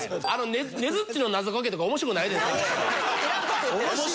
ねづっちの謎かけとか面白くないじゃないですかあれ。